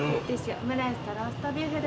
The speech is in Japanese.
オムライスとローストビーフで。